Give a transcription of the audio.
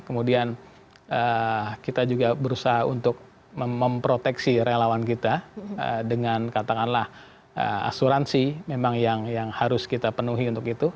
kemudian kita juga berusaha untuk memproteksi relawan kita dengan katakanlah asuransi memang yang harus kita penuhi untuk itu